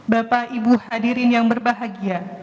bapak ibu hadirin yang berbahagia